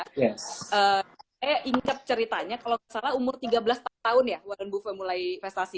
saya ingat ceritanya kalau nggak salah umur tiga belas tahun ya warren move mulai investasi